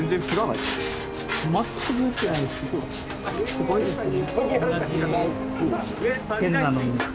すごいですね。